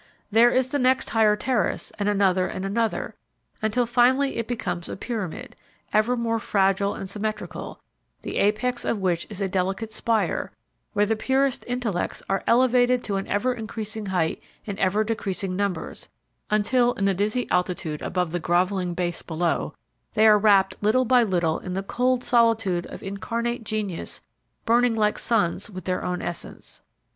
There is the next higher terrace and another and another, until finally it becomes a pyramid, ever more fragile and symmetrical, the apex of which is a delicate spire, where the purest intellects are elevated to an ever increasing height in ever decreasing numbers, until in the dizzy altitude above the groveling base below they are wrapped little by little in the cold solitude of incarnate genius burning like suns with their own essence.